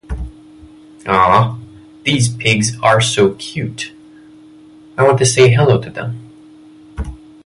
Aw, these pigs are so cute! I want to say hello to them.